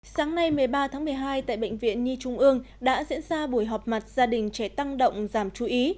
sáng nay một mươi ba tháng một mươi hai tại bệnh viện nhi trung ương đã diễn ra buổi họp mặt gia đình trẻ tăng động giảm chú ý